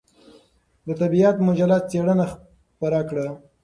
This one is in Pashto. د طبعیت مجله څېړنه خپره کړه.